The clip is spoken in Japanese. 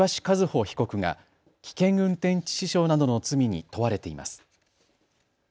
和歩被告が危険運転致死傷などの罪に問われています。